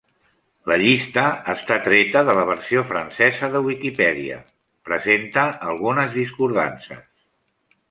La llista està treta de la versió francesa de Wikipedia; presenta algunes discordances.